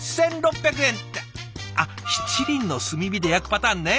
１，６００円ってあっ七輪の炭火で焼くパターンね。